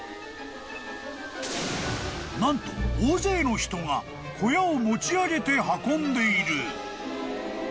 ［何と大勢の人が小屋を持ち上げて運んでいる］